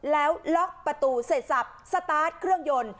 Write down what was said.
แล้วล็อกประตูเสร็จสับสตาร์ทเครื่องยนต์